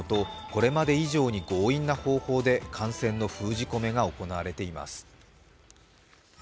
これまで以上に強引な方法で感染の封じ込めが行われています。